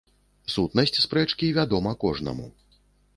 Сутнасць спрэчкі вядома кожнаму.